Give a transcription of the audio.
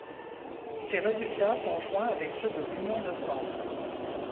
Ces résultats sont joints avec ceux de l'Union de centre.